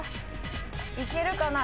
いけるかな？